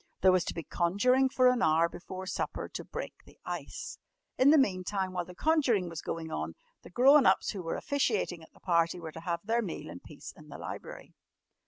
There was to be conjuring for an hour before supper to "break the ice." In the meantime, while the conjuring was going on, the grown ups who were officiating at the party were to have their meal in peace in the library.